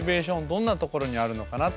どんなところにあるのかな。